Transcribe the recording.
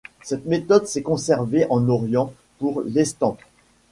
Cette méthode s'est conservée en Orient pour l'estampe.